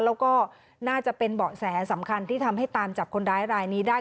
แล้วก็น่าจะเป็นเบาะแสสำคัญที่ทำให้ตามจับคนร้ายรายนี้ได้